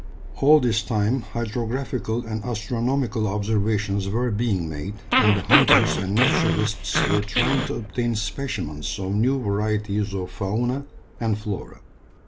All this time hydrographical and astronomical observations were being made, and the hunters and naturalists were trying to obtain specimens of new varieties of fauna and flora.